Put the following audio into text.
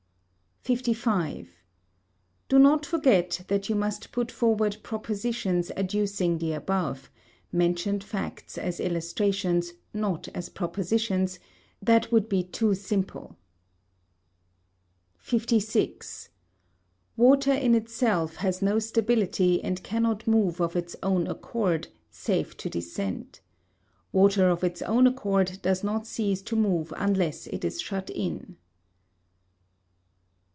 55. Do not forget that you must put forward propositions adducing the above mentioned facts as illustrations, not as propositions, that would be too simple. 56. Water in itself has no stability and cannot move of its own accord, save to descend. Water of its own accord does not cease to move unless it is shut in. 57.